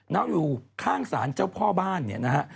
แล้วอยู่ข้างศาลเจ้าพ่อบ้านเนี่ยนะฮะ